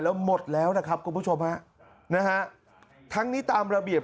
แล้วหมดแล้วนะครับคุณผู้ชมฮะนะฮะทั้งนี้ตามระเบียบ